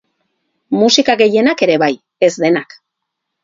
Musika gehienak ere bai, ez denak.